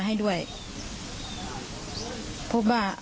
ตลอดภัยนะครับ